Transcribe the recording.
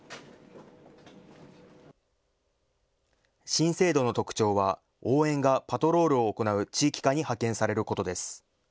新制度の特徴は応援がパトロールを行う地域課に派遣されることです。